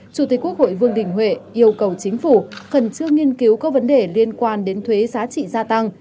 chủ tịch quốc hội vương đình huệ yêu cầu chính phủ khẩn trương nghiên cứu các vấn đề liên quan đến thuế giá trị gia tăng